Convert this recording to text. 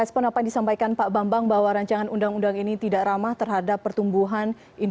kita akan membahas ancaman